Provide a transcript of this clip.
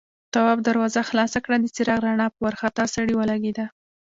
تواب دروازه خلاصه کړه، د څراغ رڼا په وارخطا سړي ولګېده.